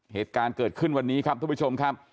เหตุการณ์เกิดขึ้นวันนี้ครับทุกผู้ชมครับ